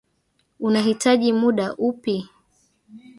Unahitaji muda upi?